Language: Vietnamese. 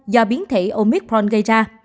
do biến thể omicron gây ra